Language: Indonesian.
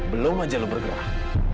belum aja lo bergerak